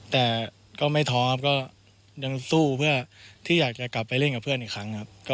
แต่ก็ไม่ท้องที่กลับให้กลิ่นกับเพื่อนอีกครั้ง